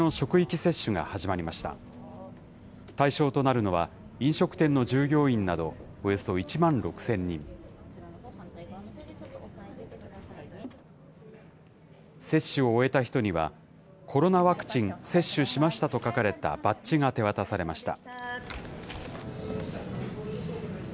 接種を終えた人には、コロナワクチン接種しましたと書かれたバッジが手渡されました。